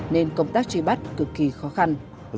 nên công tác truy bắt cực kỳ khó khăn